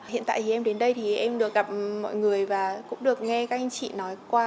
hiện tại thì em đến đây thì em được gặp mọi người và cũng được nghe các anh chị nói qua